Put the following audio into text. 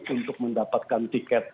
untuk mendapatkan tiket